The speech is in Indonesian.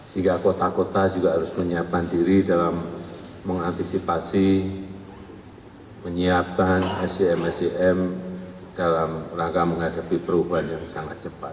sehingga kota kota juga harus menyiapkan diri dalam mengantisipasi menyiapkan icm sdm dalam rangka menghadapi perubahan yang sangat cepat